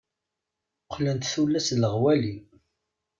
Qqlent tullas d leɣwali.